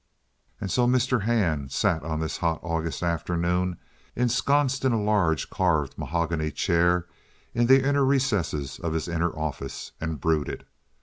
And so Mr. Hand sat on this hot August afternoon, ensconced in a large carved mahogany chair in the inner recesses of his inner offices, and brooded.